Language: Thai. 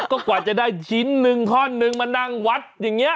ก็กว่าจะได้ชิ้นหนึ่งท่อนนึงมานั่งวัดอย่างนี้